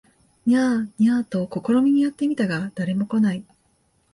ニャー、ニャーと試みにやって見たが誰も来ない